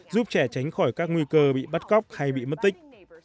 giúp trẻ tránh khỏi các nguy cơ bị bắt cóc hay bị mất tích